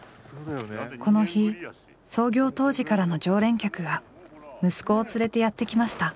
この日創業当時からの常連客が息子を連れてやって来ました。